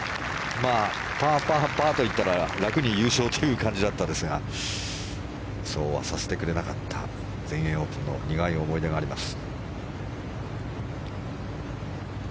パー、パー、パーといったら楽に優勝という感じでしたがそうはさせてくれなかった全英オープンの苦い思い出があります。